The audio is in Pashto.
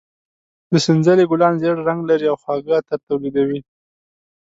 د سنځلې ګلان زېړ رنګ لري او خواږه عطر تولیدوي.